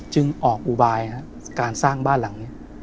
ออกอุบายการสร้างบ้านหลังนี้